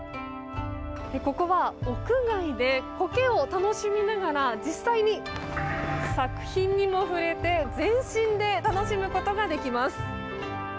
ここは屋外で苔を楽しみながら実際に作品にも触れて全身で楽しむことができます。